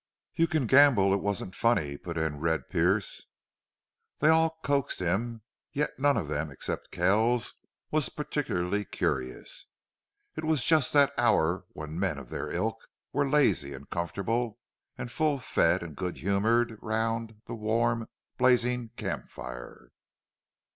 "You can gamble it wasn't funny," put in Red Pearce. They all coaxed him, yet none of them, except Kells, was particularly curious; it was just that hour when men of their ilk were lazy and comfortable and full fed and good humored round the warm, blazing camp fire.